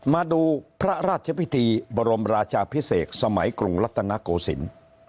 มาดูพระราชพิธีบรมราชาพิเศษสมัยกรุงรัฐนโกศิลป์